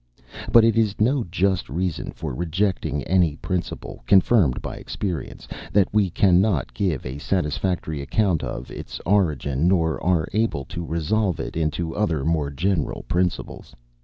But it is no just reason for rejecting any principle, confirmed by experience, that we cannot give a satisfactory account of its origin, nor are able to resolve it into other more general principles.